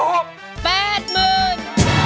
๘หมื่น